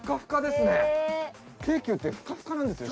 京急ってふかふかなんですよ。